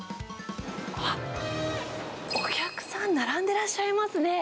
あっ、お客さん並んでらっしゃいますね。